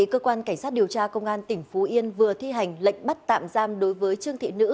cảm ơn các bạn đã theo dõi